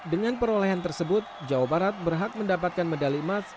dengan perolehan tersebut jawa barat berhak mendapatkan medali emas